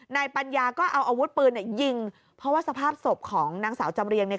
ปัญญาก็เอาอาวุธปืนเนี่ยยิงเพราะว่าสภาพศพของนางสาวจำเรียงเนี่ย